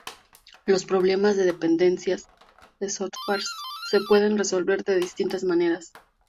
Los problemas de dependencias de software se pueden resolver de distintas maneras.